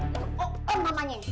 itu om om mamanya